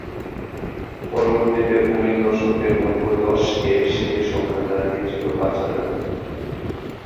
পরবর্তিতে উনিশ শতকের নব্বই দশকে সে সংখ্যা দাঁড়িয়ে ছিল পাঁচ হাজারে।